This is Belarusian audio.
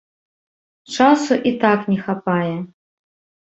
Часу і так не хапае.